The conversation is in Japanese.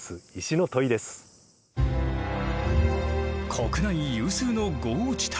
国内有数の豪雨地帯